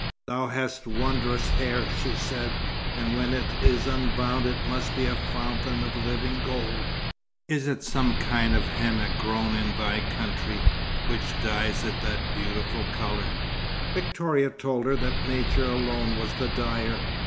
"Thou hast wondrous hair," she said, "and when it is unbound it must be a fountain of living gold. Is it some kind of henna grown in thy country, which dyes it that beautiful colour?" Victoria told her that Nature alone was the dyer.